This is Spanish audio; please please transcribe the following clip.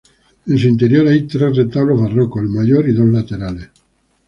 En su interior hay tres retablos barrocos, el mayor y dos laterales.